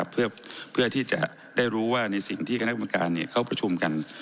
เพื่อที่จะได้รู้ว่าในสิ่งที่คณะกรรมการเขาประชุมกัน